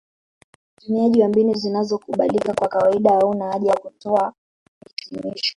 Utumiaji wa mbinu zinazokubalika kwa kawaida hauna haja ya kutoa hitimisho